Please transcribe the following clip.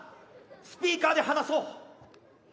スピーカーで話そう。